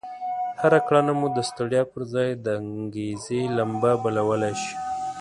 هره کړنه مو د ستړيا پر ځای د انګېزې لمبه بلولای شي.